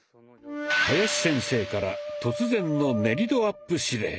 林先生から突然の「練り度アップ」指令。